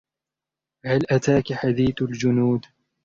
هل أتاك حديث الجنود